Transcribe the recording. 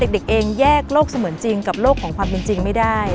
เด็กเองแยกโลกเสมือนจริงกับโลกของความเป็นจริงไม่ได้